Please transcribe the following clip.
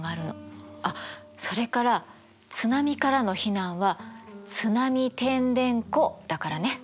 あっそれから津波からの避難は津波てんでんこだからね！